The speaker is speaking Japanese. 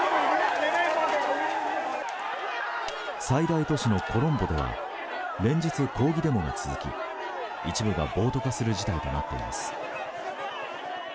最大都市のコロンボでは連日、抗議デモが続き一部が暴徒化する事態となっています。